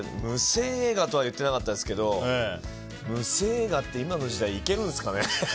無声映画とは言ってなかったですけど無声映画って今の時代いけるんですかね。